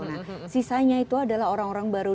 nah sisanya itu adalah orang orang baru